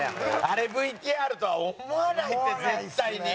あれＶＴＲとは思わないって絶対に。